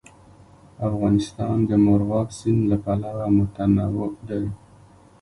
افغانستان د مورغاب سیند له پلوه متنوع دی.